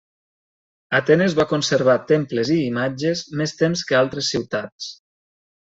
Atenes va conservar temples i imatges més temps que altres ciutats.